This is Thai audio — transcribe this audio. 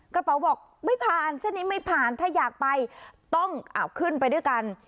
กระเป๋าบอกไม่ผ่านเส้นนี้ไม่ผ่านถ้าอยากไปต้องขึ้นไปด้วยกัน